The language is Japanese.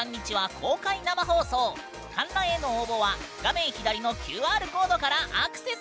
観覧への応募は画面左のＱＲコードからアクセス！